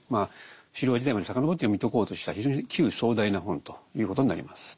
狩猟時代まで遡って読み解こうとした非常に気宇壮大な本ということになります。